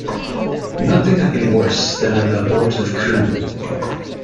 Nothing could be worse than an abortive coup.